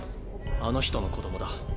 あの人の子どもだ。